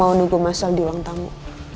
aku mau menunggu masal di ruang tamu